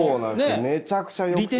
めちゃくちゃよくて。